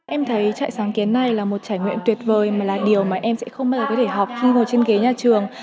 em thấy trại sáng kiến này là một trải nguyện tuyệt vời mà là điều mà em sẽ không bao giờ có thể học khi ngồi trên ghế nhà trường